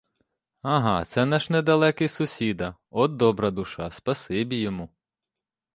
Ага, це наш недалекий сусіда, от добра душа, спасибі йому.